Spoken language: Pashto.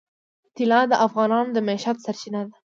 طلا د افغانانو د معیشت سرچینه ده.